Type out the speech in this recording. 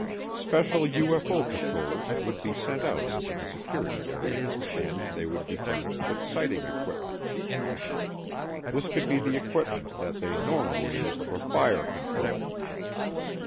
Special UFO patrols would be sent out into the security area and they would be furnished with sighting equipment. This could be the equipment that they normally used for fire control.